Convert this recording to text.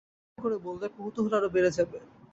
বিস্তারিত করে বললে কৌতূহল আরো বেড়ে যাবে।